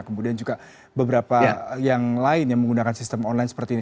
kemudian juga beberapa yang lain yang menggunakan sistem online seperti ini